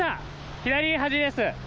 左端です。